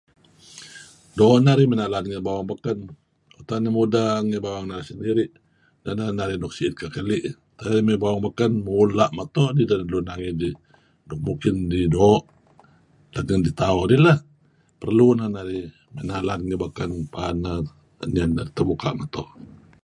Doo' narih mey nalan ngi bawang beken, tak narih mudeng ngi bawang narih sendiri', neh neh narih nuk si'it kekeli', Narih mey bawang beken mula' meto ideh nuk midih mungkin idih doo' let ngen ditauh dih lah. Perlu neh narih mey nalan ngi beken paad linuh narih terbuka' meto'.